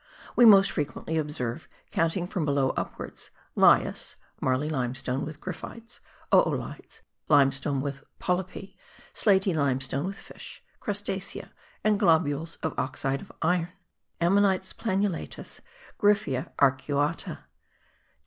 We most frequently observe, counting from below upwards; lias (marly limestone with gryphites), oolites, limestone with polypi, slaty limestone with fish, crustacea, and globules of oxide of iron (Amonites planulatus, Gryphaea arcuata).